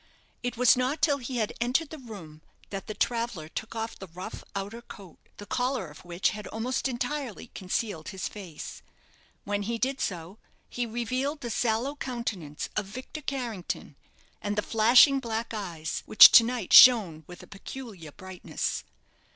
It was not till he had entered the room that the traveller took off the rough outer coat, the collar of which had almost entirely concealed his face. When he did so, he revealed the sallow countenance of Victor Carrington, and the flashing black eyes, which to night shone with a peculiar brightness.